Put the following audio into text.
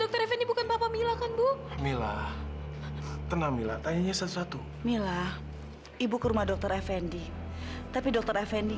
terus ibu lihat apa di rumahnya dokter effendi